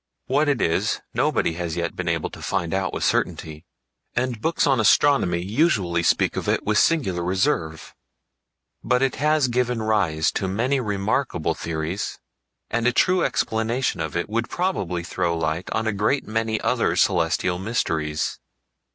What it is nobody has yet been able to find out with certainty, and books on astronomy usually speak of it with singular reserve. But it has given rise to many remarkable theories, and a true explanation of it would probably throw light on a great many other celestial mysteries.